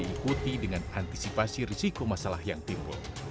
dan diikuti dengan antisipasi risiko masalah yang timbul